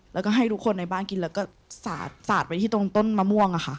แล้วก็ให้ทุกคนในบ้านกินแล้วก็สาดไปที่ตรงต้นมะม่วงค่ะ